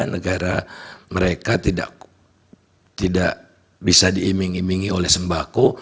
negara mereka tidak bisa diiming imingi oleh sembako